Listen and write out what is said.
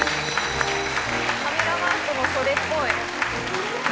カメラワークもそれっぽい。